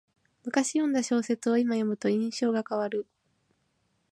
むかし読んだ小説をいま読むと印象が変わる